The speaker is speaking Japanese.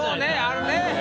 あるね。